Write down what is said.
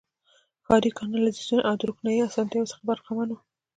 ښاري کانالیزاسیون او د روښنايي اسانتیاوو څخه برخمن وو.